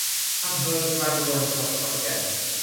อำเภอกระนวน จังหวัดขอนแก่น